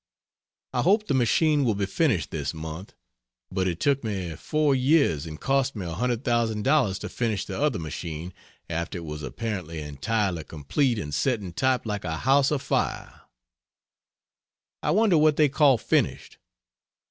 I hope the machine will be finished this month; but it took me four years and cost me $100,000 to finish the other machine after it was apparently entirely complete and setting type like a house afire. I wonder what they call "finished."